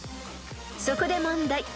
［そこで問題。